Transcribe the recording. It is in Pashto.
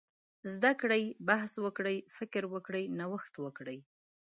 زده کړي، بحث وکړي، فکر وکړي، نوښت وکړي.